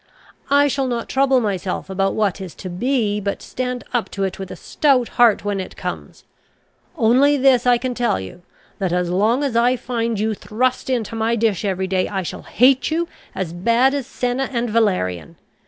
I shall not trouble myself about what is to be, but stand up to it with a stout heart when it comes. Only this I can tell you, that as long as I find you thrust into my dish every day I shall hate you as bad as senna and valerian.